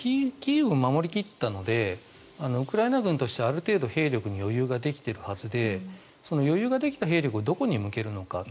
キーウを守り切ったのでウクライナ軍としては、ある程度兵力に余裕ができているはずで余裕ができた兵力をどこに向けるのか。